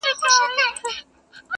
پر کلیو، پر ښارونو یې ځالۍ دي غوړولي!!